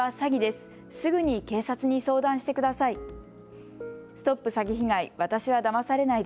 すぐに警察に相談してください。